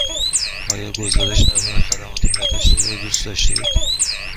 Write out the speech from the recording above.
آیا گزارش درباره خدمات بهداشتی را دوست داشتید؟